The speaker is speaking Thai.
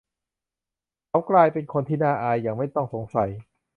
เขากลายเป็นคนที่น่าอายอย่างไม่ต้องสงสัย